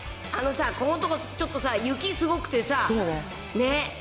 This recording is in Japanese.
あのさ、ここのところ、ちょっと雪すごくてさ、ね？